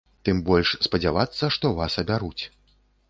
Тым больш, спадзявацца, што вас абяруць.